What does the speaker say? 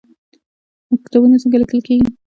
مکتوب څنګه لیکل کیږي؟